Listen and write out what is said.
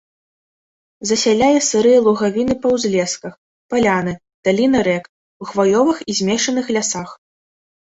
Засяляе сырыя лугавіны па ўзлесках, паляны, даліны рэк, у хваёвых і змешаных лясах.